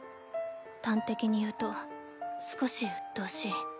端的に言うと少しうっとうしい。